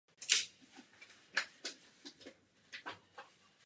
To nebude fungovat, protože věda se nenechá manipulovat.